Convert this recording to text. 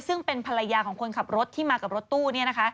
ซึ่งเป็นภรรยาของคนขับรถที่มากับรถตู้